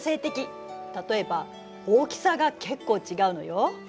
例えば大きさが結構違うのよ。